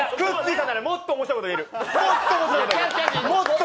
さんならもっと面白いこと言える！